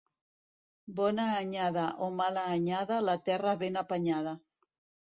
Bona anyada o mala anyada, la terra ben apanyada.